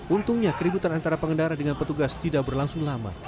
untungnya keributan antara pengendara dengan petugas tidak berlangsung lama